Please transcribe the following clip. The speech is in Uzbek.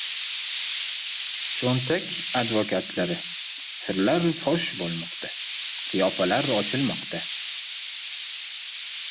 «Cho‘ntak advokatlari»: sirlar fosh bo‘lmoqda, qiyofalar ochilmoqda...